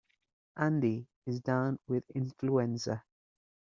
Andy is down with influenza.